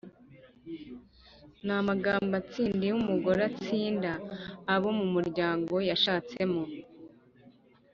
n’amagambo atsinda iyo umugore atsinda abo mu muryango yashatsemo.